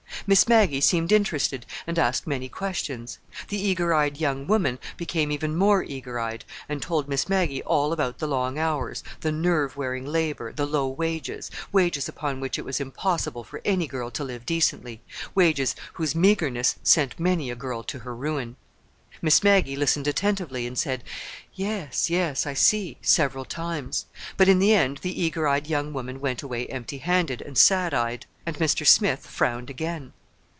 Miss Maggie seemed interested, and asked many questions. The eager eyed young woman became even more eager eyed, and told Miss Maggie all about the long hours, the nerve wearing labor, the low wages—wages upon which it was impossible for any girl to live decently—wages whose meagerness sent many a girl to her ruin. Miss Maggie listened attentively, and said, "Yes, yes, I see," several times. But in the end the eager eyed young woman went away empty handed and sad eyed. And Mr. Smith frowned again.